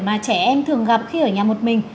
mà trẻ em thường gặp khi ở nhà một mình